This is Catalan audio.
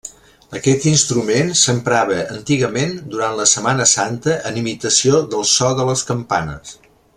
Aquest instrument s'emprava antigament durant la Setmana Santa en imitació del so de les campanes.